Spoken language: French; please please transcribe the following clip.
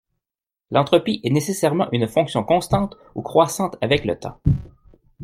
l'entropie est nécessairement une fonction constante ou croissante avec le temps